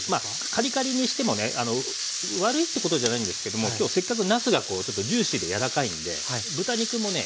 カリカリにしてもね悪いってことじゃないんですけども今日せっかくなすがちょっとジューシーで柔らかいんで豚肉もね